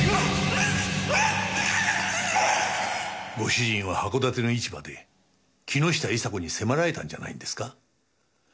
ご主人は函館の市場で木下伊沙子に迫られたんじゃないんですか？